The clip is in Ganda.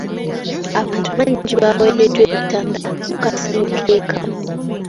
Abantu bangi baaweereddwa ebitanda mu kasenge ke kamu.